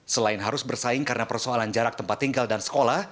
selain harus bersaing karena persoalan jarak tempat tinggal dan sekolah